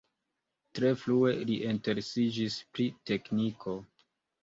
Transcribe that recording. Tre frue li interesiĝis pri tekniko.